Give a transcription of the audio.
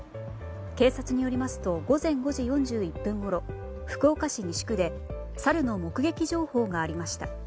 警察によりますと午前５時４１分ごろ福岡市西区でサルの目撃情報がありました。